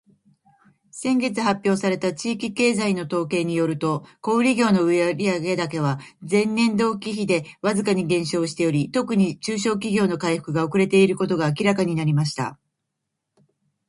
「先月発表された地域経済の統計によると、小売業の売上高は前年同期比でわずかに減少しており、特に中小企業の回復が遅れていることが明らかになりました。」